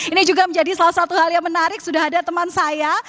ini juga menjadi salah satu hal yang menarik sudah ada teman saya